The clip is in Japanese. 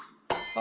あ！